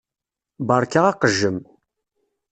Beṛka aqejjem.